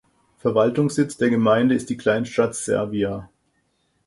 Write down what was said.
Verwaltungssitz der Gemeinde ist die Kleinstadt Servia.